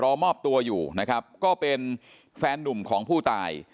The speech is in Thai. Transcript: รอมอบตัวอยู่นะครับก็เป็นแฟนนุ่มของผู้ตาย